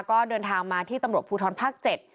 ก็เดินทางมาที่ตำรวจภูทรภาค๗